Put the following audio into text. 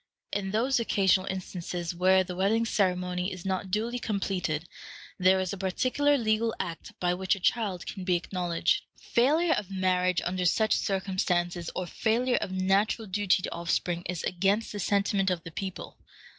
In those occasional instances where the wedding ceremony is not duly completed, there is a particular legal act by which a child can be acknowledged. Failure of marriage under such circumstances, or failure of natural duty to offspring, is against the sentiment of the people.